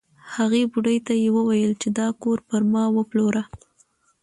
هغې بوډۍ ته یې وویل چې دا کور پر ما وپلوره.